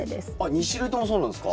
２種類ともそうなんすか？